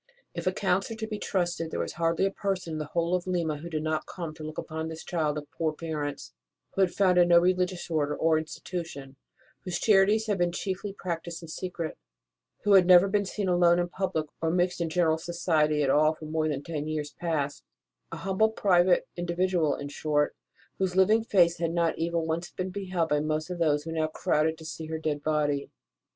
If accounts are to be trusted, there was hardly a person in the whole of Lima who did not come to look upon this child of poor parents, who had founded no religious Order or institution, whose charities had been chiefly prac tised in secret, who had never been seen alone in public or mixed in general society at all for more than ten years past: a humble, private individual, in short, whose living face had not even once been beheld by most of those who now crowded to see her dead body.